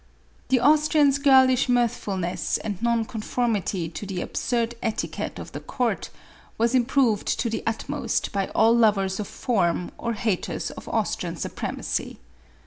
The Austrian's girlish mirthfulness and non conformity to the absurd etiquette of the court, was improved to the utmost by all lovers of form or haters of Austrian supremacy.